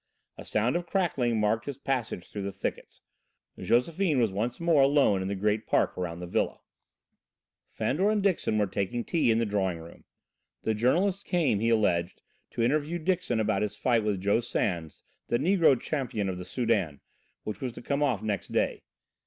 A sound of crackling marked his passage through the thickets. Josephine was once more alone in the great park around the villa. Fandor and Dixon were taking tea in the drawing room. The journalist came, he alleged, to interview Dixon about his fight with Joe Sans, the negro champion of the Soudan, which was to come off next day.